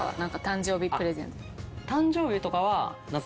誕生日プレゼント。